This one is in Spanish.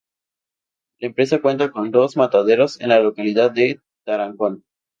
La empresa cuenta con dos mataderos en la localidad de Tarancón.